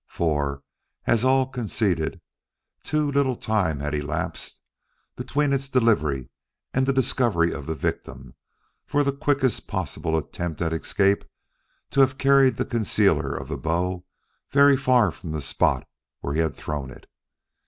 For, as all conceded, too little time had elapsed between its delivery and the discovery of the victim for the quickest possible attempt at escape to have carried the concealer of the bow very far from the spot where he had thrown it.